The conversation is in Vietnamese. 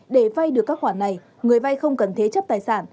để vay được các khoản này người vay không cần thế chấp tài sản